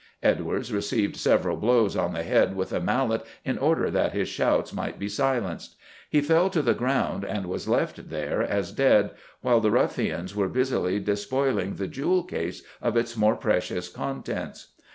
Edwards received several blows on the head with a mallet in order that his shouts might be silenced. He fell to the ground and was left there as dead, while the ruffians were busily despoiling the jewel case of its more precious contents.